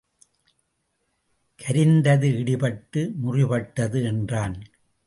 கரிந்தது இடிபட்டு முறிபட்டது என்றான்.